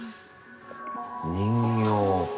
人形。